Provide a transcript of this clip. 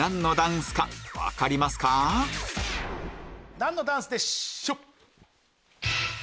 何のダンスでしょう？